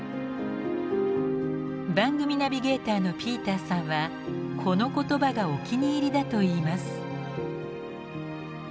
番組ナビゲーターのピーターさんはこの言葉がお気に入りだと言います。